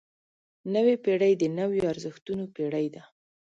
نوې پېړۍ د نویو ارزښتونو پېړۍ ده.